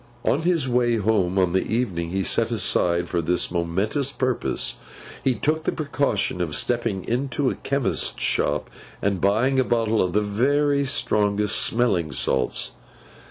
On his way home, on the evening he set aside for this momentous purpose, he took the precaution of stepping into a chemist's shop and buying a bottle of the very strongest smelling salts.